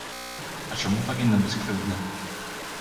А чаму павінна быць крыўдна?